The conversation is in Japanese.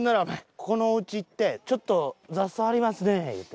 ここのおうち行ってちょっと雑草ありますね言うて。